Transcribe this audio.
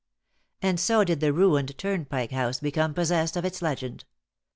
And so did the ruined Turnpike House become possessed of its legend.